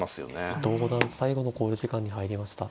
伊藤五段最後の考慮時間に入りました。